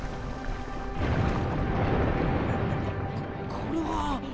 ここれは。